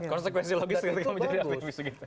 konsekuensi logis sering menjadi aktivis